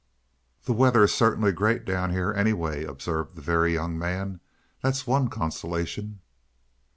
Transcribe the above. "The weather is certainly great down here anyway," observed the Very Young Man, "that's one consolation."